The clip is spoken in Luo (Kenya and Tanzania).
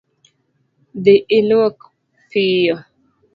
Dhii iluok piyo